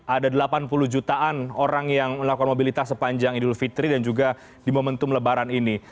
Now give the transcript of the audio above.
ada delapan puluh jutaan orang yang melakukan mobilitas sepanjang idul fitri dan juga di momentum lebaran ini